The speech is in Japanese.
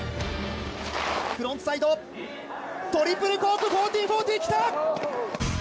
フロントサイドトリプルコーク１４４０来た！